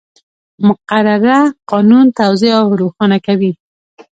مقرره قانون توضیح او روښانه کوي.